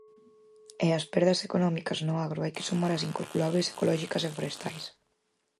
E ás perdas económicas no agro hai que sumar as incalculables ecolóxicas e forestais.